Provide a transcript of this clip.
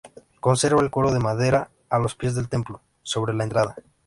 Conserva el coro de madera, a los pies del templo, sobre la entrada.